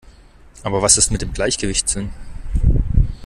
Aber was ist mit dem Gleichgewichtssinn?